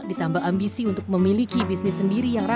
ditambah ambisi untuk memiliki bisnis sendiri yang ramah